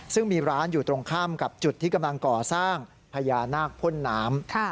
ซึ่งมีร้านอยู่ตรงข้ามกับจุดที่กำลังก่อสร้างพญานาคพ่นน้ำ